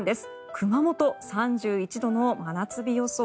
熊本、３１度の真夏日予想。